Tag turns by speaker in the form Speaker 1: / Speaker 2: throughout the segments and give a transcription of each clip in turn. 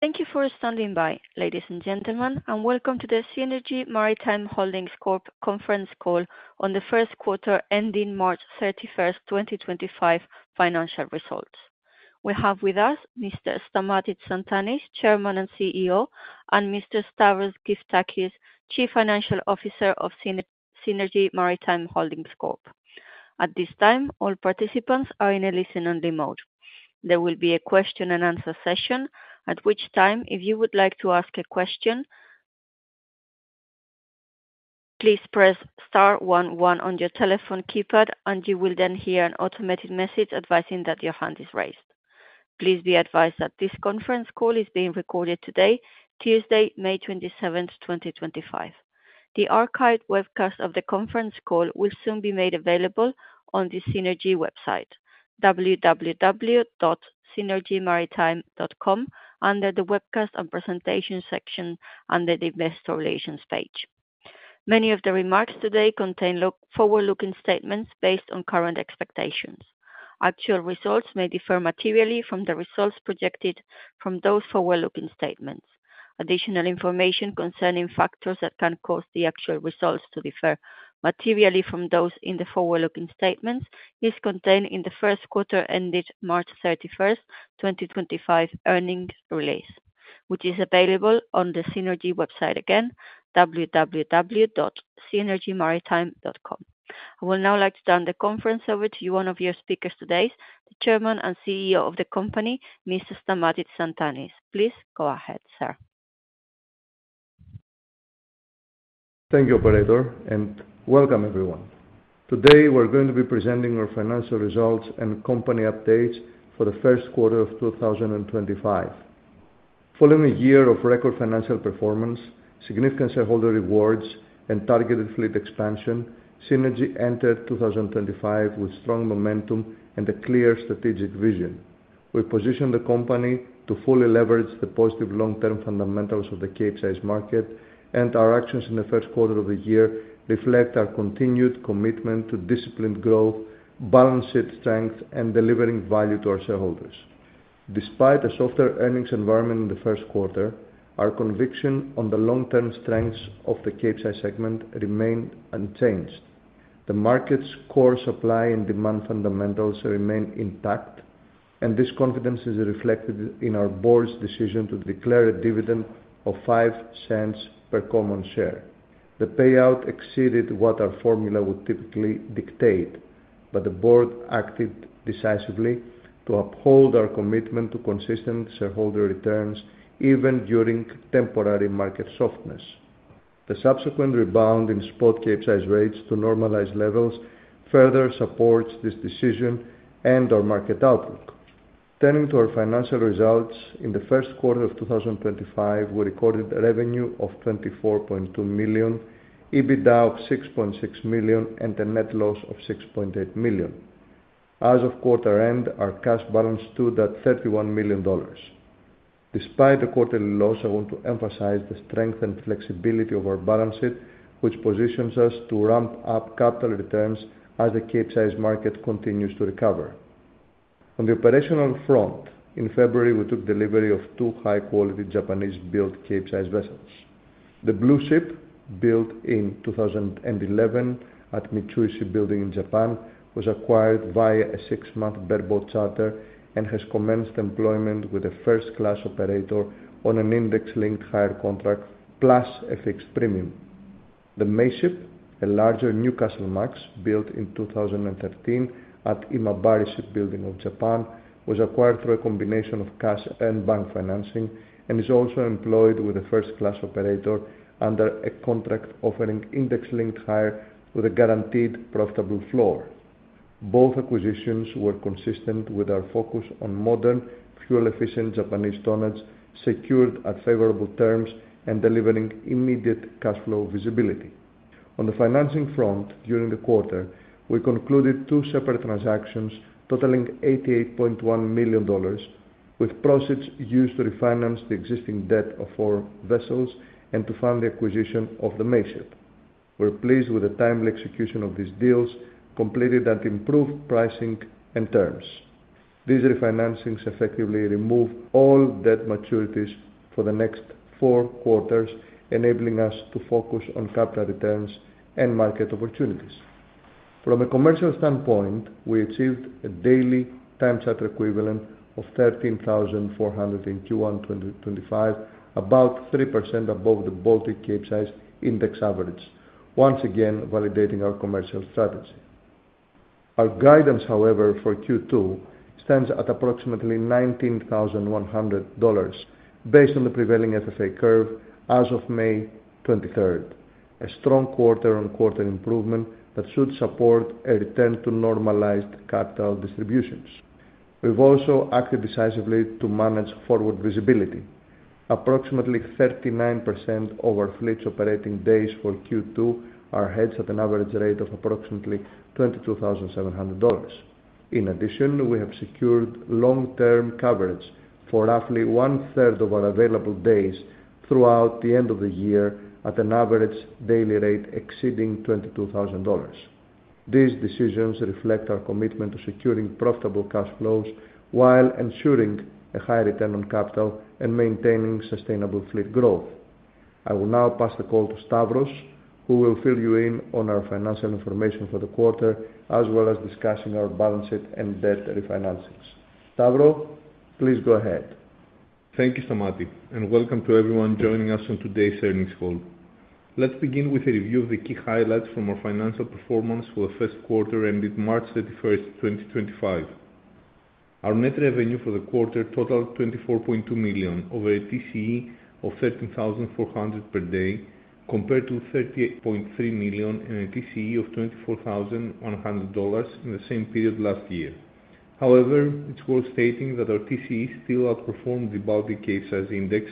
Speaker 1: Thank you for standing by, ladies and gentlemen, and welcome to the Seanergy Maritime Holdings Corp conference call on the first quarter ending March 31, 2025 financial results. We have with us Mr. Stamatis Tsantanis, Chairman and CEO, and Mr. Stavros Gyftakis, Chief Financial Officer of Seanergy Maritime Holdings Corp. At this time, all participants are in a listen-only mode. There will be a question-and-answer session, at which time, if you would like to ask a question, please press star one one on your telephone keypad, and you will then hear an automated message advising that your hand is raised. Please be advised that this conference call is being recorded today, Tuesday, May 27, 2025. The archived webcast of the conference call will soon be made available on the Seanergy website, www.seanergymaritime.com, under the webcast and presentation section under the Investor Relations page. Many of the remarks today contain forward-looking statements based on current expectations. Actual results may differ materially from the results projected from those forward-looking statements. Additional information concerning factors that can cause the actual results to differ materially from those in the forward-looking statements is contained in the first quarter ended March 31, 2025 earnings release, which is available on the Seanergy website, again, www.seanergymaritime.com. I would now like to turn the conference over to one of your speakers today, the Chairman and CEO of the company, Mr. Stamatis Tsantanis. Please go ahead, sir.
Speaker 2: Thank you, Operator, and welcome, everyone. Today, we're going to be presenting our financial results and company updates for the first quarter of 2025. Following a year of record financial performance, significant shareholder rewards, and targeted fleet expansion, Seanergy entered 2025 with strong momentum and a clear strategic vision. We positioned the company to fully leverage the positive long-term fundamentals of the Capesize market, and our actions in the first quarter of the year reflect our continued commitment to disciplined growth, balanced strength, and delivering value to our shareholders. Despite a softer earnings environment in the first quarter, our conviction on the long-term strengths of the Capesize segment remained unchanged. The market's core supply and demand fundamentals remain intact, and this confidence is reflected in our board's decision to declare a dividend of $0.05 per common share. The payout exceeded what our formula would typically dictate, but the board acted decisively to uphold our commitment to consistent shareholder returns even during temporary market softness. The subsequent rebound in spot Capesize rates to normalized levels further supports this decision and our market outlook. Turning to our financial results, in the first quarter of 2025, we recorded revenue of $24.2 million, EBITDA of $6.6 million, and a net loss of $6.8 million. As of quarter end, our cash balance stood at $31 million. Despite the quarterly loss, I want to emphasize the strength and flexibility of our balance sheet, which positions us to ramp up capital returns as the Capesize market continues to recover. On the operational front, in February, we took delivery of two high-quality Japanese-built Capesize vessels. The Blueship, built in 2011 at Mitsui Shipbuilding in Japan, was acquired via a six-month bareboat charter and has commenced employment with a first-class operator on an index-linked hire contract plus a fixed premium. The Meiship, a larger Newcastlemax, built in 2013 at Imabari Shipbuilding of Japan, was acquired through a combination of cash and bank financing and is also employed with a first-class operator under a contract offering index-linked hire with a guaranteed profitable floor. Both acquisitions were consistent with our focus on modern, fuel-efficient Japanese tonnage secured at favorable terms and delivering immediate cash flow visibility. On the financing front, during the quarter, we concluded two separate transactions totaling $88.1 million, with proceeds used to refinance the existing debt of four vessels and to fund the acquisition of the Meiship. We're pleased with the timely execution of these deals, completed at improved pricing and terms. These refinancings effectively removed all debt maturities for the next four quarters, enabling us to focus on capital returns and market opportunities. From a commercial standpoint, we achieved a daily time charter equivalent of $13,400 in Q1 2025, about 3% above the Baltic Cape-sized Index average, once again validating our commercial strategy. Our guidance, however, for Q2 stands at approximately $19,100 based on the prevailing FFA curve as of May 23rd, a strong quarter-on-quarter improvement that should support a return to normalized capital distributions. We've also acted decisively to manage forward visibility. Approximately 39% of our fleet's operating days for Q2 are hedged at an average rate of approximately $22,700. In addition, we have secured long-term coverage for roughly one-third of our available days throughout the end of the year at an average daily rate exceeding $22,000. These decisions reflect our commitment to securing profitable cash flows while ensuring a high return on capital and maintaining sustainable fleet growth. I will now pass the call to Stavros, who will fill you in on our financial information for the quarter, as well as discussing our balance sheet and debt refinancings. Stavros, please go ahead.
Speaker 3: Thank you, Stamatis, and welcome to everyone joining us on today's earnings call. Let's begin with a review of the key highlights from our financial performance for the first quarter ended March 31, 2025. Our net revenue for the quarter totaled $24.2 million, over a TCE of $13,400 per day, compared to $38.3 million and a TCE of $24,100 in the same period last year. However, it's worth stating that our TCE still outperformed the Baltic Cape-sized Index,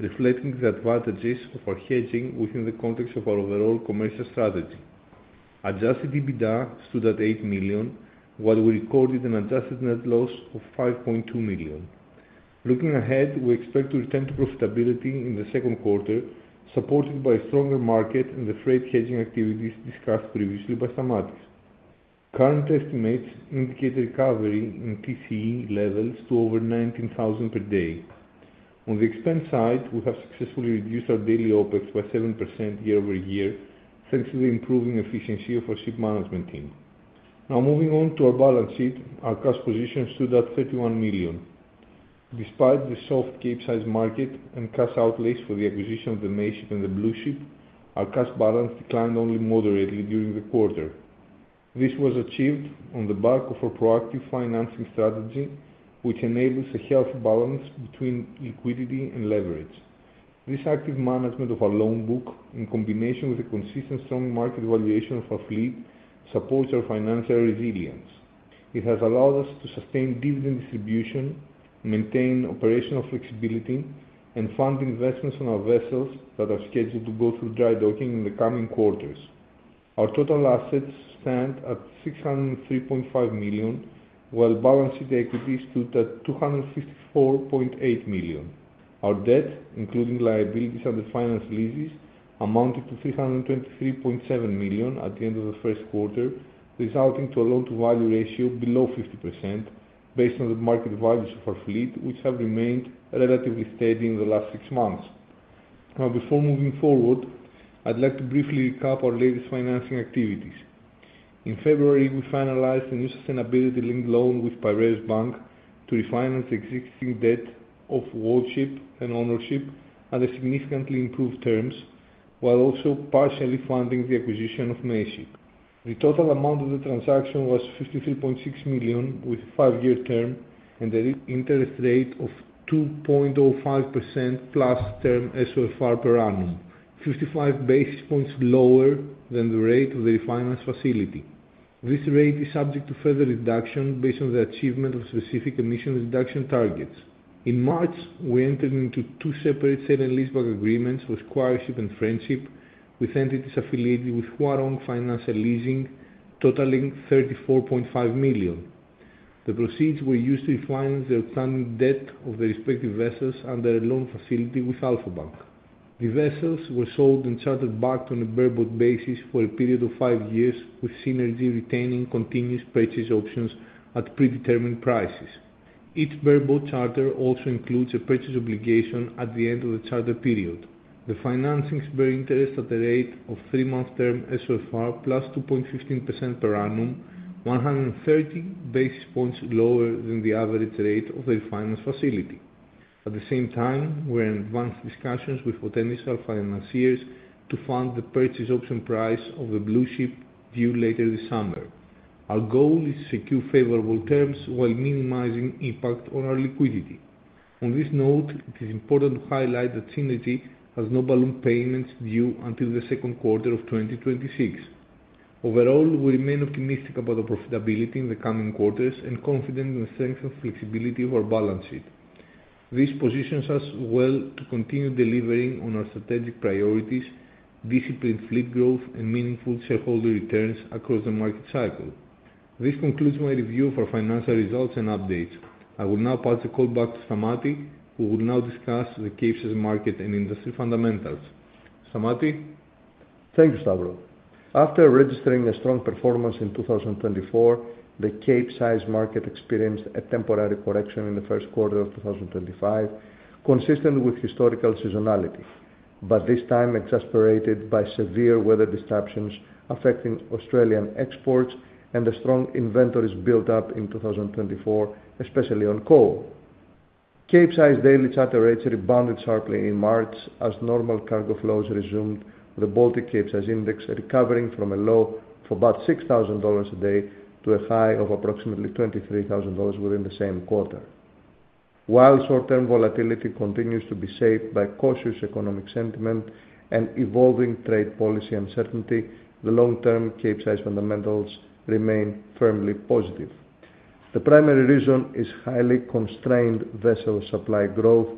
Speaker 3: reflecting the advantages of our hedging within the context of our overall commercial strategy. Adjusted EBITDA stood at $8 million, while we recorded an adjusted net loss of $5.2 million. Looking ahead, we expect to return to profitability in the second quarter, supported by a stronger market and the freight hedging activities discussed previously by Stamatis. Current estimates indicate a recovery in TCE levels to over $19,000 per day. On the expense side, we have successfully reduced our daily OpEx by 7% year over year, thanks to the improving efficiency of our ship management team. Now, moving on to our balance sheet, our cash position stood at $31 million. Despite the soft Capesize market and cash outlays for the acquisition of the Meiship and the Blueship, our cash balance declined only moderately during the quarter. This was achieved on the back of our proactive financing strategy, which enables a healthy balance between liquidity and leverage. This active management of our loan book, in combination with a consistent strong market valuation of our fleet, supports our financial resilience. It has allowed us to sustain dividend distribution, maintain operational flexibility, and fund investments on our vessels that are scheduled to go through dry docking in the coming quarters. Our total assets stand at $603.5 million, while balance sheet equities stood at $254.8 million. Our debt, including liabilities and the finance leases, amounted to $323.7 million at the end of the first quarter, resulting in a loan-to-value ratio below 50% based on the market values of our fleet, which have remained relatively steady in the last six months. Now, before moving forward, I'd like to briefly recap our latest financing activities. In February, we finalized a new sustainability-linked loan with Piraeus Bank to refinance the existing debt of Worldship and Ownership at significantly improved terms, while also partially funding the acquisition of Meiship. The total amount of the transaction was $53.6 million with a five-year term and an interest rate of 2.05% plus term SOFR per annum, 55 basis points lower than the rate of the refinance facility. This rate is subject to further reduction based on the achievement of specific emission reduction targets. In March, we entered into two separate sale-and-leaseback agreements with Squireship and Friendship, with entities affiliated with Huarong Financial Leasing, totaling $34.5 million. The proceeds were used to refinance the outstanding debt of the respective vessels under a loan facility with Alpha Bank. The vessels were sold and chartered back on a bareboat basis for a period of five years, with Seanergy retaining continuous purchase options at predetermined prices. Each bareboat charter also includes a purchase obligation at the end of the charter period. The financing spurred interest at a rate of three-month term SOFR plus 2.15% per annum, 130 basis points lower than the average rate of the refinance facility. At the same time, we're in advanced discussions with potential financiers to fund the purchase option price of the Blueship due later this summer. Our goal is to secure favorable terms while minimizing impact on our liquidity. On this note, it is important to highlight that Seanergy has no balloon payments due until the second quarter of 2026. Overall, we remain optimistic about our profitability in the coming quarters and confident in the strength and flexibility of our balance sheet. This positions us well to continue delivering on our strategic priorities, disciplined fleet growth, and meaningful shareholder returns across the market cycle. This concludes my review of our financial results and updates. I will now pass the call back to Stamatis, who will now discuss the Capesize market and industry fundamentals. Stamatis.
Speaker 2: Thank you, Stavros. After registering a strong performance in 2024, the Capesize market experienced a temporary correction in the first quarter of 2025, consistent with historical seasonality, but this time exacerbated by severe weather disturbances affecting Australian exports and a strong inventories build-up in 2024, especially on coal. Capesize daily charter rates rebounded sharply in March as normal cargo flows resumed, with the Baltic Capesize Index recovering from a low of about $6,000 a day to a high of approximately $23,000 within the same quarter. While short-term volatility continues to be shaped by cautious economic sentiment and evolving trade policy uncertainty, the long-term Capesize fundamentals remain firmly positive. The primary reason is highly constrained vessel supply growth,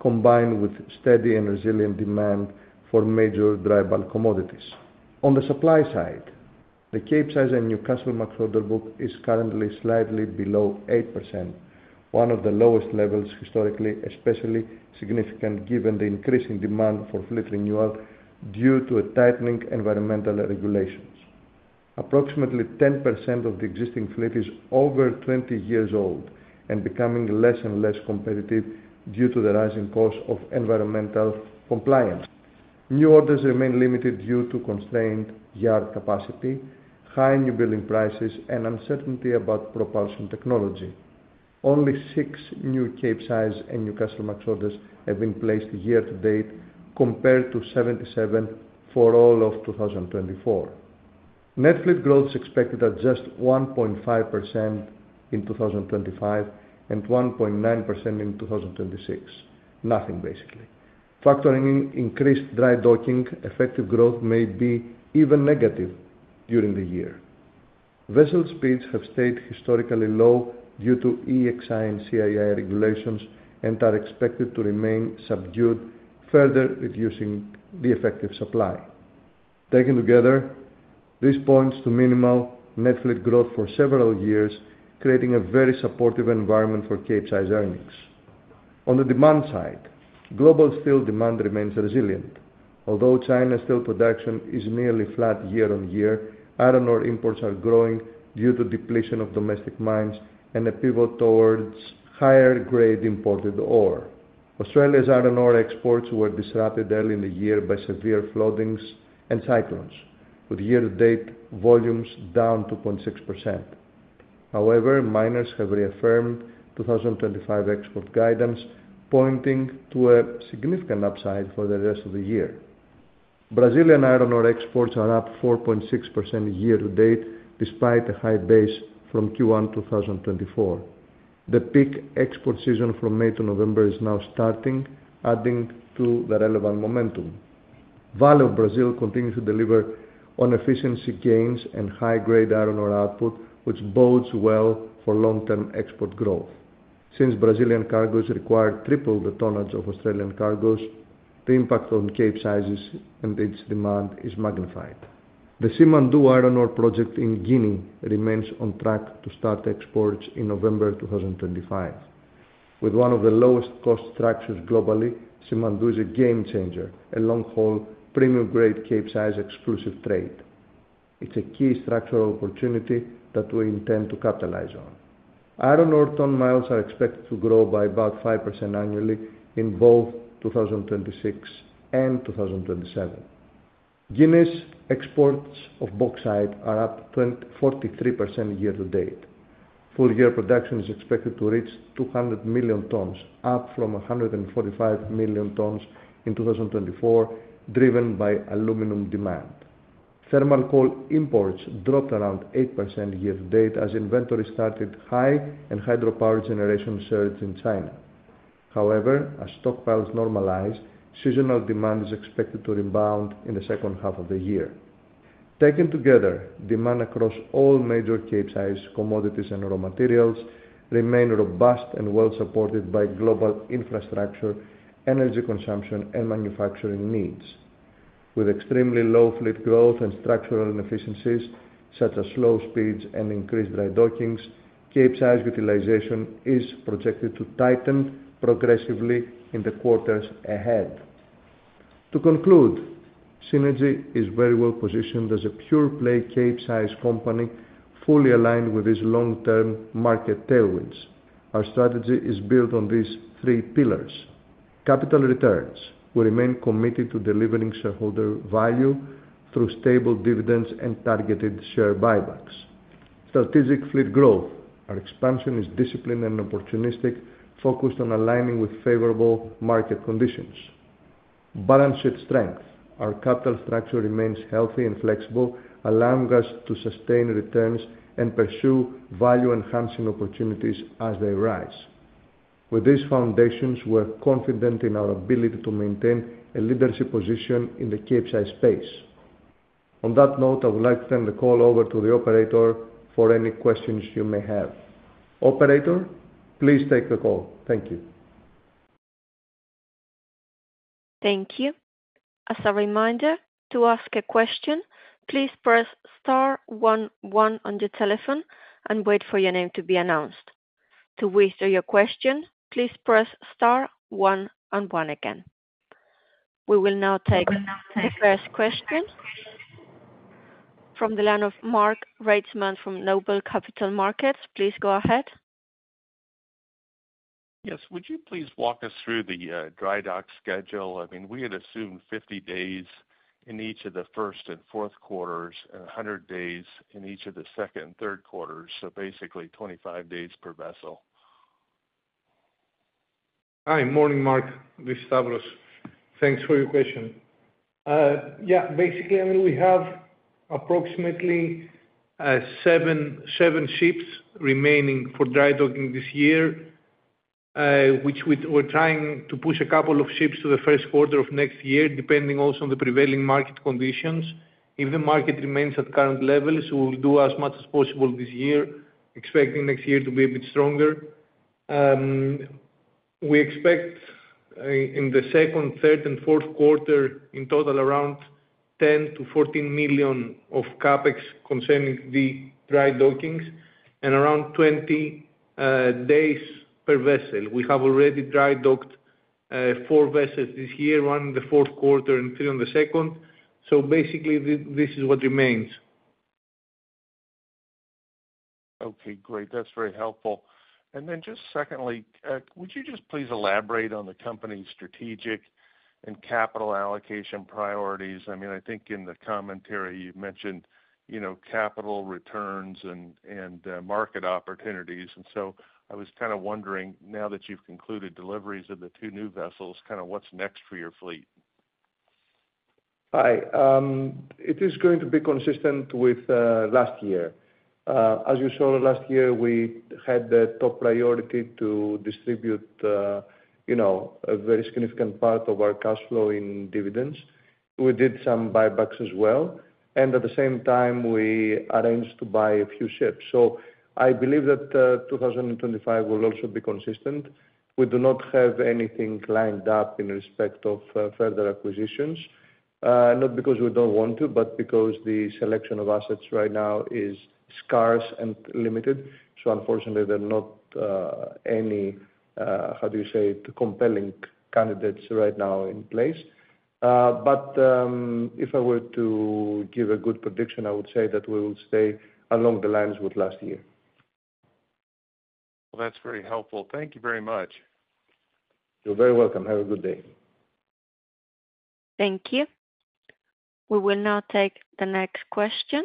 Speaker 2: combined with steady and resilient demand for major dry bulk commodities. On the supply side, the Capesize and Newcastlemax order book is currently slightly below 8%, one of the lowest levels historically, especially significant given the increasing demand for fleet renewal due to tightening environmental regulations. Approximately 10% of the existing fleet is over 20 years old and becoming less and less competitive due to the rising cost of environmental compliance. New orders remain limited due to constrained yard capacity, high newbuilding prices, and uncertainty about propulsion technology. Only six new Capesize and Newcastlemax orders have been placed year to date, compared to 77 for all of 2024. Net fleet growth is expected at just 1.5% in 2025 and 1.9% in 2026. Nothing, basically. Factoring in increased dry docking, effective growth may be even negative during the year. Vessel speeds have stayed historically low due to EXI and CII regulations and are expected to remain subdued, further reducing the effective supply. Taken together, this points to minimal net fleet growth for several years, creating a very supportive environment for Capesize earnings. On the demand side, global steel demand remains resilient. Although China's steel production is nearly flat year on year, iron ore imports are growing due to depletion of domestic mines and a pivot towards higher-grade imported ore. Australia's iron ore exports were disrupted early in the year by severe floodings and cyclones, with year-to-date volumes down 2.6%. However, miners have reaffirmed 2025 export guidance, pointing to a significant upside for the rest of the year. Brazilian iron ore exports are up 4.6% year to date, despite a high base from Q1 2024. The peak export season from May to November is now starting, adding to the relevant momentum. Vale of Brazil continues to deliver on efficiency gains and high-grade iron ore output, which bodes well for long-term export growth. Since Brazilian cargoes require triple the tonnage of Australian cargoes, the impact on Capesize and its demand is magnified. The Simandou iron ore project in Guinea remains on track to start exports in November 2025. With one of the lowest-cost structures globally, Simandou is a game-changer, a long-haul, premium-grade Capesize exclusive trade. It's a key structural opportunity that we intend to capitalize on. Iron ore tonnages are expected to grow by about 5% annually in both 2026 and 2027. Guinea's exports of bauxite are up 43% year to date. Full-year production is expected to reach 200 million tons, up from 145 million tons in 2024, driven by aluminum demand. Thermal coal imports dropped around 8% year to date as inventory started high and hydropower generation surged in China. However, as stockpiles normalize, seasonal demand is expected to rebound in the second half of the year. Taken together, demand across all major Capesize commodities and raw materials remains robust and well-supported by global infrastructure, energy consumption, and manufacturing needs. With extremely low fleet growth and structural inefficiencies such as slow speeds and increased dry dockings, Capesize utilization is projected to tighten progressively in the quarters ahead. To conclude, Seanergy is very well positioned as a pure-play Capesize company, fully aligned with its long-term market tailwinds. Our strategy is built on these three pillars: capital returns—we remain committed to delivering shareholder value through stable dividends and targeted share buybacks; strategic fleet growth—our expansion is disciplined and opportunistic, focused on aligning with favorable market conditions; balance sheet strength—our capital structure remains healthy and flexible, allowing us to sustain returns and pursue value-enhancing opportunities as they arise. With these foundations, we are confident in our ability to maintain a leadership position in the Capesize space. On that note, I would like to turn the call over to the operator for any questions you may have. Operator, please take the call. Thank you.
Speaker 1: Thank you. As a reminder, to ask a question, please press star one one on your telephone and wait for your name to be announced. To whisper your question, please press star one one again. We will now take the first question from the line of Mark Reichman from NOBLE Capital Markets. Please go ahead.
Speaker 4: Yes. Would you please walk us through the dry dock schedule? I mean, we had assumed 50 days in each of the first and fourth quarters and 100 days in each of the second and third quarters, so basically 25 days per vessel.
Speaker 3: Hi. Morning, Mark. This is Stavros. Thanks for your question. Yeah. Basically, I mean, we have approximately seven ships remaining for dry docking this year, which we're trying to push a couple of ships to the first quarter of next year, depending also on the prevailing market conditions. If the market remains at current levels, we'll do as much as possible this year, expecting next year to be a bit stronger. We expect in the second, third, and fourth quarter, in total, around $10 million-$14 million of CapEx concerning the dry dockings and around 20 days per vessel. We have already dry docked four vessels this year, one in the fourth quarter and three in the second. Basically, this is what remains.
Speaker 4: Okay. Great. That's very helpful. And then just secondly, would you just please elaborate on the company's strategic and capital allocation priorities? I mean, I think in the commentary you mentioned capital returns and market opportunities. I was kind of wondering, now that you've concluded deliveries of the two new vessels, kind of what's next for your fleet?
Speaker 2: Hi. It is going to be consistent with last year. As you saw last year, we had the top priority to distribute a very significant part of our cash flow in dividends. We did some buybacks as well. At the same time, we arranged to buy a few ships. I believe that 2025 will also be consistent. We do not have anything lined up in respect of further acquisitions, not because we do not want to, but because the selection of assets right now is scarce and limited. Unfortunately, there are not any, how do you say, compelling candidates right now in place. If I were to give a good prediction, I would say that we will stay along the lines with last year.
Speaker 4: That's very helpful. Thank you very much.
Speaker 2: You're very welcome. Have a good day.
Speaker 1: Thank you. We will now take the next question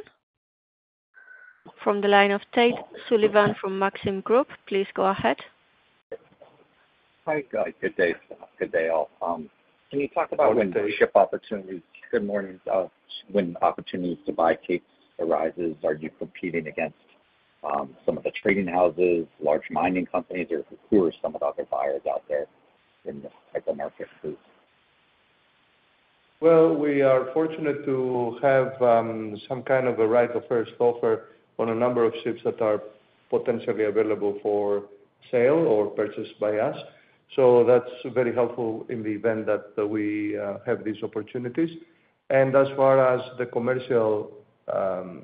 Speaker 1: from the line of Tate Sullivan from Maxim Group, please go ahead.
Speaker 5: Hi, Guy. Good day. Good day all. Can you talk about when the ship opportunities—good morning—when opportunities to buy capes arises, are you competing against some of the trading houses, large mining companies, or who are some of the other buyers out there in this type of market?
Speaker 2: We are fortunate to have some kind of a right of first offer on a number of ships that are potentially available for sale or purchased by us. That is very helpful in the event that we have these opportunities. As far as the commercial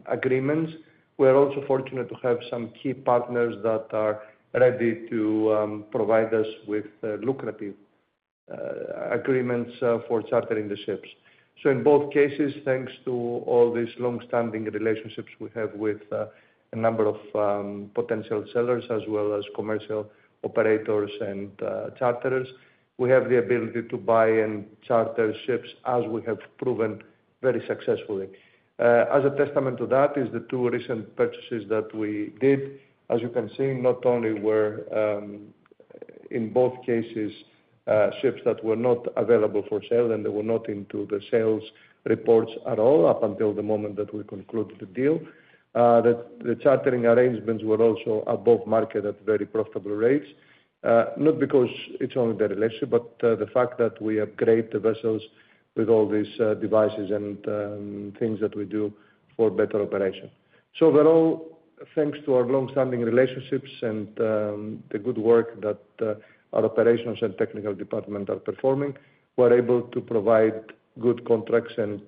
Speaker 2: agreements, we are also fortunate to have some key partners that are ready to provide us with lucrative agreements for chartering the ships. In both cases, thanks to all these long-standing relationships we have with a number of potential sellers, as well as commercial operators and charterers, we have the ability to buy and charter ships, as we have proven very successfully. A testament to that is the two recent purchases that we did. As you can see, not only were in both cases ships that were not available for sale, and they were not into the sales reports at all up until the moment that we concluded the deal. The chartering arrangements were also above market at very profitable rates, not because it's only the relationship, but the fact that we upgrade the vessels with all these devices and things that we do for better operation. Overall, thanks to our long-standing relationships and the good work that our operations and technical department are performing, we're able to provide good contracts and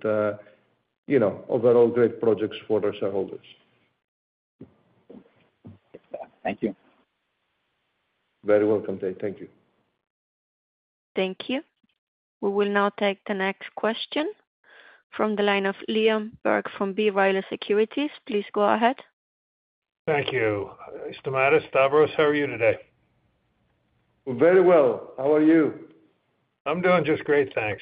Speaker 2: overall great projects for our shareholders.
Speaker 5: Thank you.
Speaker 2: Very welcome, Tate. Thank you.
Speaker 1: Thank you. We will now take the next question from the line of Liam Burke from B. Riley Securities. Please go ahead.
Speaker 6: Thank you. Stamatis, Stavros, how are you today?
Speaker 2: Very well. How are you?
Speaker 6: I'm doing just great, thanks.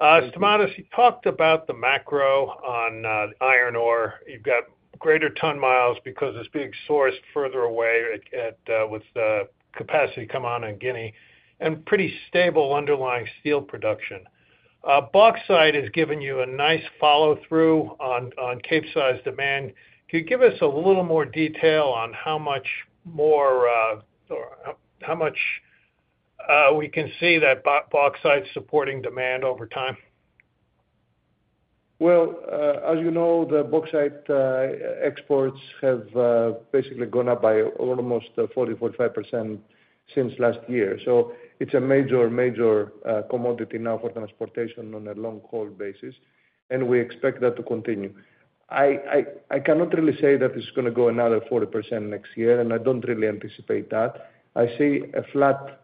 Speaker 6: Stamatis, you talked about the macro on iron ore. You've got greater ton miles because it's being sourced further away with the capacity coming on in Guinea and pretty stable underlying steel production. Bauxite has given you a nice follow-through on Capesize demand. Can you give us a little more detail on how much more or how much we can see that bauxite supporting demand over time?
Speaker 2: As you know, the bauxite exports have basically gone up by almost 40%, 45% since last year. It is a major, major commodity now for transportation on a long-haul basis. We expect that to continue. I cannot really say that it is going to go another 40% next year, and I do not really anticipate that. I see a flat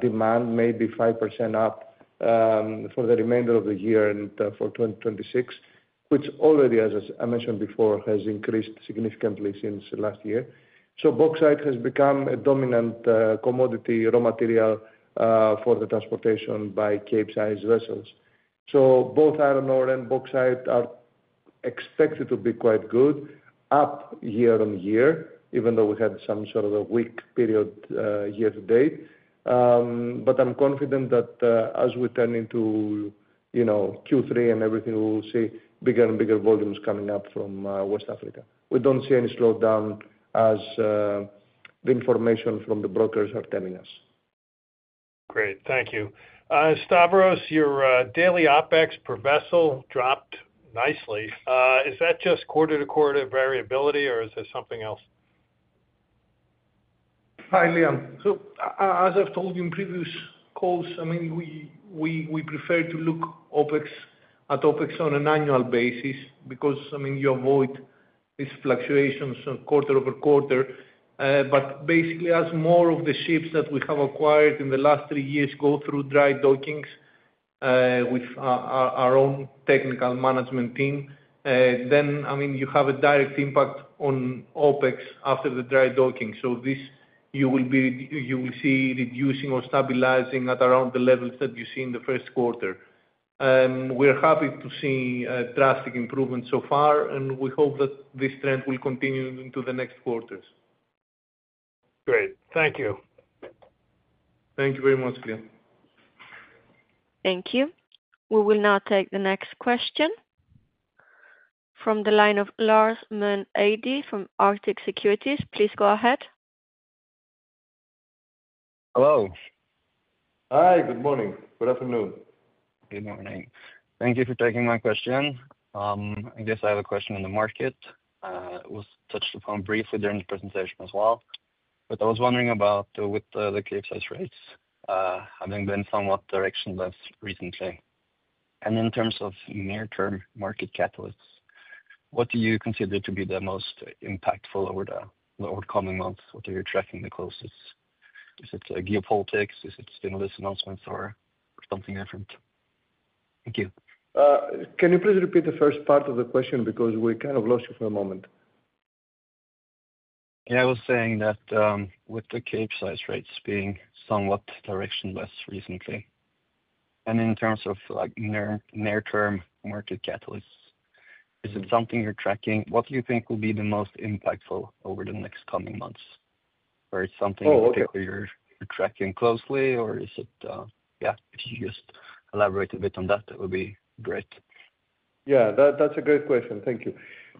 Speaker 2: demand, maybe 5% up for the remainder of the year and for 2026, which already, as I mentioned before, has increased significantly since last year. Bauxite has become a dominant commodity raw material for the transportation by Capesize vessels. Both iron ore and bauxite are expected to be quite good, up year on year, even though we had some sort of a weak period year to date. I'm confident that as we turn into Q3 and everything, we will see bigger and bigger volumes coming up from West Africa. We don't see any slowdown, as the information from the brokers are telling us.
Speaker 6: Great. Thank you. Stavros, your daily OpEx per vessel dropped nicely. Is that just quarter-to-quarter variability, or is there something else?
Speaker 3: Hi, Liam. As I've told you in previous calls, I mean, we prefer to look at OpEx on an annual basis because, I mean, you avoid these fluctuations quarter over quarter. Basically, as more of the ships that we have acquired in the last three years go through dry dockings with our own technical management team, then, I mean, you have a direct impact on OpEx after the dry docking. You will see reducing or stabilizing at around the levels that you see in the first quarter. We're happy to see a drastic improvement so far, and we hope that this trend will continue into the next quarters.
Speaker 6: Great. Thank you.
Speaker 2: Thank you very much, Leon.
Speaker 1: Thank you. We will now take the next question from the line of Lars Moen Eide from Arctic Securities. Please go ahead.
Speaker 7: Hello.
Speaker 2: Hi. Good morning. Good afternoon.
Speaker 7: Good morning. Thank you for taking my question. I guess I have a question on the market. It was touched upon briefly during the presentation as well. I was wondering about with the Capesize rates, having been somewhat directionless recently. In terms of near-term market catalysts, what do you consider to be the most impactful over the coming months? What are you tracking the closest? Is it geopolitics? Is it stimulus announcements or something different? Thank you.
Speaker 2: Can you please repeat the first part of the question because we kind of lost you for a moment?
Speaker 7: Yeah. I was saying that with the Capesize rates being somewhat directionless recently, and in terms of near-term market catalysts, is it something you're tracking? What do you think will be the most impactful over the next coming months? Or it's something you're tracking closely, or is it, yeah, if you just elaborate a bit on that, that would be great.
Speaker 2: Yeah. That's a great question. Thank you.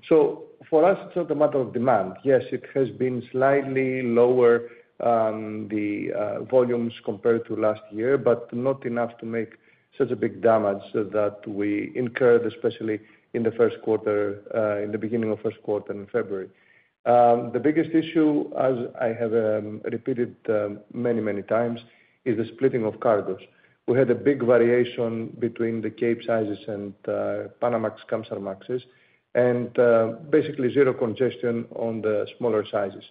Speaker 2: For us, it's not a matter of demand. Yes, it has been slightly lower, the volumes compared to last year, but not enough to make such a big damage that we incurred, especially in the first quarter, in the beginning of first quarter in February. The biggest issue, as I have repeated many, many times, is the splitting of cargos. We had a big variation between the Capesizes and Panamax-Kamsarmaxes, and basically zero congestion on the smaller sizes,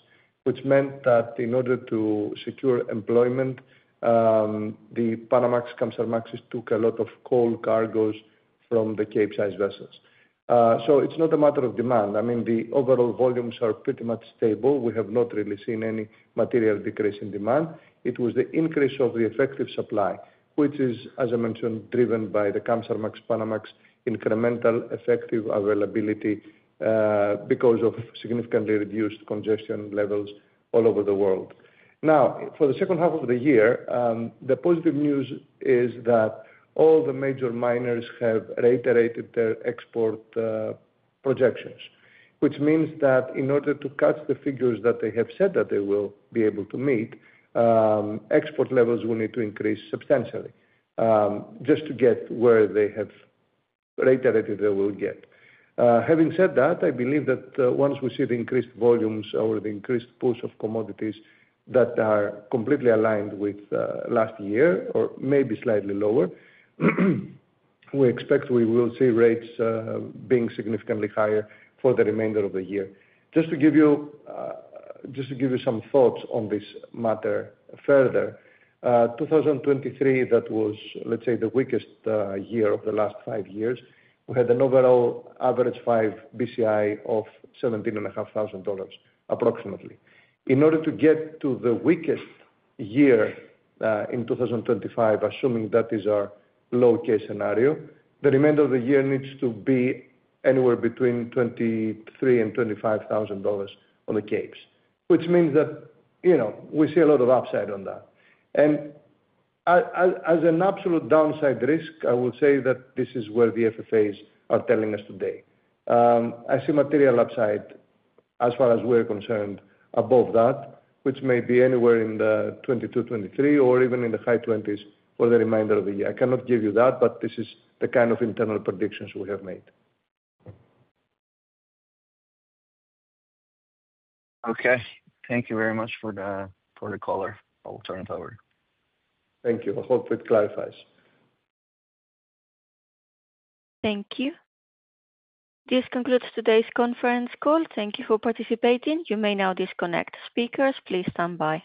Speaker 2: which meant that in order to secure employment, the Panamax-Kamsarmaxes took a lot of coal cargos from the Capesize vessels. It's not a matter of demand. I mean, the overall volumes are pretty much stable. We have not really seen any material decrease in demand. It was the increase of the effective supply, which is, as I mentioned, driven by the Kamsarmax-Panamax incremental effective availability because of significantly reduced congestion levels all over the world. Now, for the second half of the year, the positive news is that all the major miners have reiterated their export projections, which means that in order to catch the figures that they have said that they will be able to meet, export levels will need to increase substantially just to get where they have reiterated they will get. Having said that, I believe that once we see the increased volumes or the increased push of commodities that are completely aligned with last year or maybe slightly lower, we expect we will see rates being significantly higher for the remainder of the year. Just to give you some thoughts on this matter further, 2023, that was, let's say, the weakest year of the last five years. We had an overall average five BCI of $17,500 approximately. In order to get to the weakest year in 2025, assuming that is our low-case scenario, the remainder of the year needs to be anywhere between $23,000 and $25,000 on the capes, which means that we see a lot of upside on that. As an absolute downside risk, I will say that this is where the FFAs are telling us today. I see material upside as far as we're concerned above that, which may be anywhere in the 22, 23, or even in the high 20s for the remainder of the year. I cannot give you that, but this is the kind of internal predictions we have made.
Speaker 7: Okay. Thank you very much for the caller. I will turn it over.
Speaker 2: Thank you. I hope it clarifies.
Speaker 1: Thank you. This concludes today's conference call. Thank you for participating. You may now disconnect. Speakers, please stand by.